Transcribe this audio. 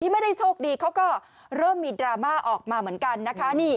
ไม่ได้โชคดีเขาก็เริ่มมีดราม่าออกมาเหมือนกันนะคะ